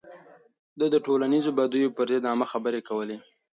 ده د ټولنيزو بديو پر ضد عامه خبرې کولې.